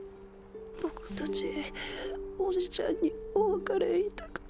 僕たちおじちゃんにお別れ言いたくて。